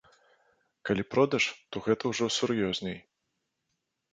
Калі продаж, то гэта ўжо сур'ёзней.